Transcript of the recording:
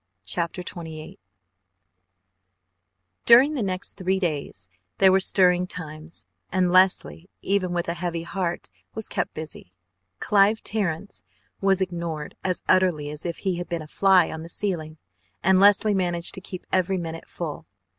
CHAPTER XXVIII During the next three days there were stirring times, and Leslie, even with a heavy heart, was kept busy. Clive Terrence was ignored as utterly as if he had been a fly on the ceiling, and Leslie managed to keep every minute full.